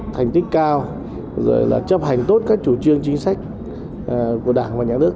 thành tích cao chấp hành tốt các chủ trương chính sách của đảng và nhà nước